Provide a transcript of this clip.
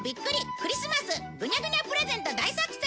クリスマスグニャグニャプレゼント大作戦